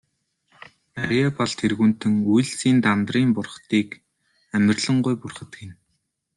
Арьяабал тэргүүтэн үйлсийн Дандарын бурхдыг амарлингуй бурхад гэнэ.